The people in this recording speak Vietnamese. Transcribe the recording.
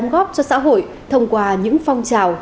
góp cho xã hội thông qua những phong trào